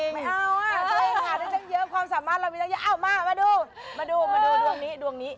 ไม่เอาความสามารถเรามีจังเยอะมาดูดวงนี้